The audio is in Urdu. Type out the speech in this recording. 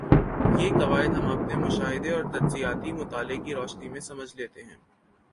یہ قواعد ہم اپنے مشاہدے اور تجزیاتی مطالعے کی روشنی میں سمجھ لیتے ہیں